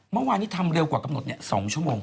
เมื่อวานนี้ทำเร็วกว่ากำหนด๒ชั่วโมง